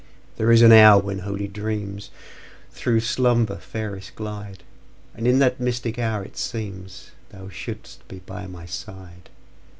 There is an hour when holy dreamsThrough slumber fairest glide; And in that mystic hour it seemsThou shouldst be by my side.